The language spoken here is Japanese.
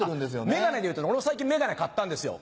眼鏡でいうとね俺も最近眼鏡買ったんですよ。